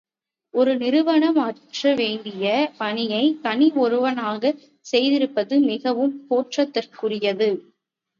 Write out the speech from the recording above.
ஒரு நிறுவனம் ஆற்ற வேண்டிய பணியை, தனி ஒருவராக செய்திருப்பது மிகவும் போற்றுதற்குரியது.